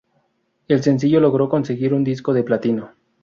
El sencillo logró conseguir un disco de platino.